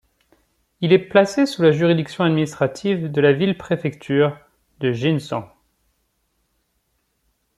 Il est placé sous la juridiction administrative de la ville-préfecture de Jinzhong.